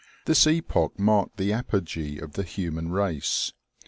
This epoch marked the apogee of the human race.